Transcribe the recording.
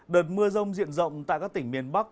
đợt mưa rông diện rộng tại các tỉnh miền bắc